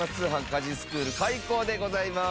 家事スクール開校でございます。